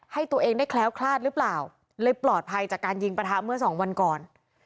ให้ตัวเองได้แคล้วคลาดหรือเปล่าเลยปลอดภัยจากการยิงประทะเมื่อสองวันก่อน